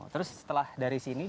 terus setelah dari sini